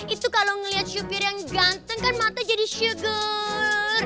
itu kalau melihat supir yang ganteng kan mata jadi syuger